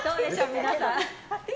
皆さん。